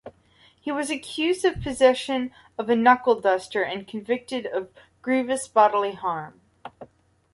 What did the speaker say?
He was accused of possession of a knuckle-duster and convicted of grievous bodily harm.